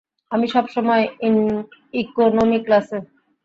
আমি সব সময় ইকনমি ক্লাসে।